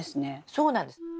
そうなんです。